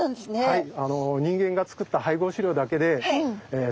はい。